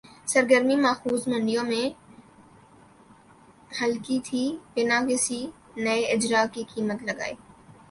سرگرمی ماخوذ منڈیوں میں ہلکی تھِی بِنا کسی نئے اجراء کی قیمت لگائے